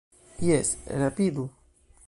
Jes, rapidu